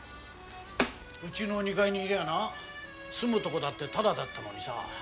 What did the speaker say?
うちの２階にいりゃあな住むとこだってタダだったのにさ。